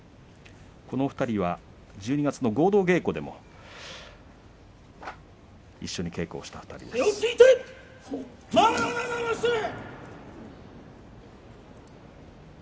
この２人は１２月の合同稽古でも一緒に稽古をしています。